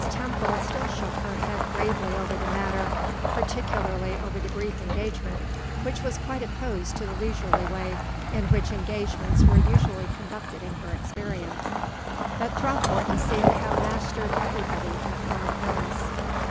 Temple still shook her head gravely over the matter, particularly over the brief engagement, which was quite opposed to the leisurely way in which engagements were usually conducted in her experience; but Throckmorton seemed to have mastered everybody at Barn Elms.